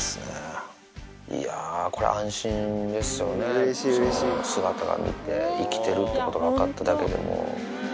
いやぁ、これ安心ですよね、姿見て、生きてるってことが分かっただけでも。